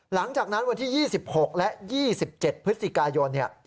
หลังจากนั้นวันที่๒๖และ๒๗พฤศจิกายน